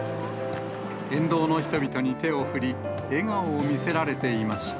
沿道の人々に手を振り、笑顔を見せられていました。